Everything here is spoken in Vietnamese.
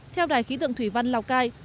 theo đài khí tượng thủy văn lào cai